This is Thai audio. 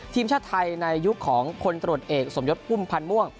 ทีมชาติไทยในยุคของคนตรวจเอกสมยศพุ่มพันธ์ม่วง